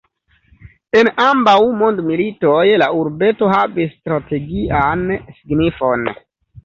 En ambaŭ mondmilitoj la urbeto havis strategian signifon.